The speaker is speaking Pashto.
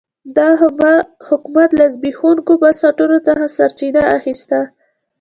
دا حکومت له زبېښونکو بنسټونو څخه سرچینه اخیسته.